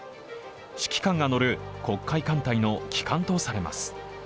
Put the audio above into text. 指揮官が乗る黒海艦隊の旗艦とされます。